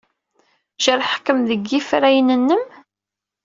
Jerḥeɣ-kem deg yifrayen-nnem?